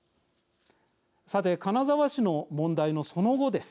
さて、金沢市の問題のその後です。